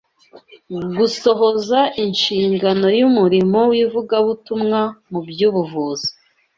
gusohoza inshingano y’umurimo w’ivugabutumwa mu by’ubuvuzi